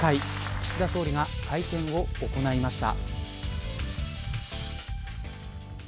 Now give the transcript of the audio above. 岸田総理が会見を行いました。